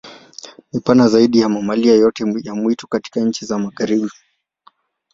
Ni pana zaidi ya mamalia yoyote ya mwitu katika nchi za Magharibi.